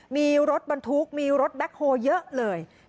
มีรถบรรทุกมีรถแบ็คโฮเยอะเลย